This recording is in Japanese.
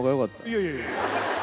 いやいやいや。